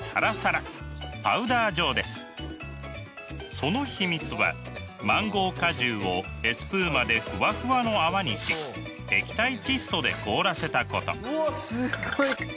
その秘密はマンゴー果汁をエスプーマでフワフワの泡にし液体窒素で凍らせたこと。